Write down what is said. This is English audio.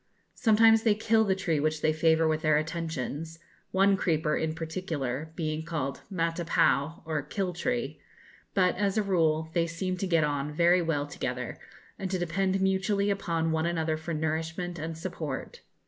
Sometimes they kill the tree which they favour with their attentions one creeper, in particular, being called 'Mata pao' or 'Kill tree;' but, as a rule, they seem to get on very well together, and to depend mutually upon one another for nourishment and support.